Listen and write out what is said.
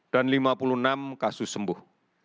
dan lima puluh enam kasus sembuh